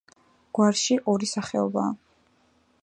გვარში ორი სახეობაა.